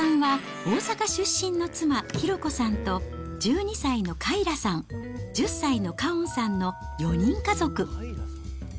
飯田さんは大阪出身の妻、寛子さんと、１２歳のかいらさん、１０歳のかおんさんの４人家族。